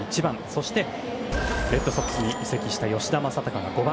そしてレッドソックスに移籍した吉田正尚が５番。